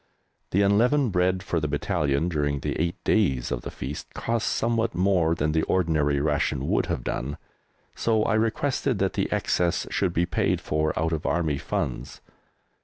The unleavened bread for the battalion, during the eight days of the Feast, cost somewhat more than the ordinary ration would have done, so I requested that the excess should be paid for out of Army Funds.